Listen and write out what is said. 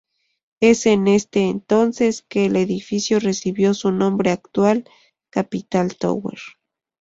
Es en este entonces que el edificio recibió su nombre actual, Capital Tower.